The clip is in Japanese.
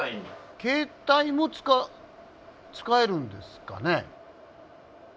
携帯も使えるんですかね？